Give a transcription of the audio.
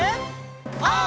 オー！